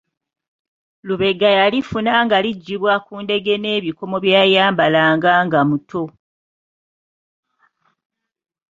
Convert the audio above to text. Lubega yalifuna nga liggyibwa ku ndege n’ebikomo bye yayambalanga nga muto.